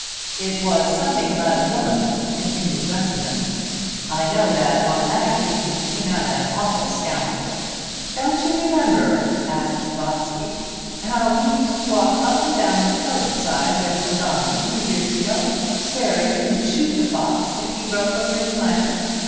"It was something about a woman," continued Runciman. "I know that on that occasion he came out an awful scoundrel." "Don't you remember," asked Botsey, "how he used to walk up and down the covert side with a gun, two years ago, swearing he would shoot the fox if he broke over his land?"